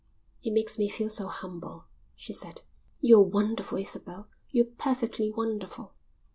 "It makes me feel so humble," she said. "You're wonderful, Isabel, you're perfectly wonderful."